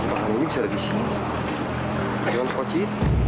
ini bisa ada disini